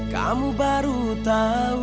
kamu baru tau